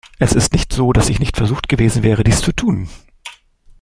Es ist nicht so, dass ich nicht versucht gewesen wäre, dies zu tun.